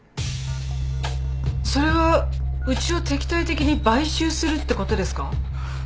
それはうちを敵対的に買収するってことですか。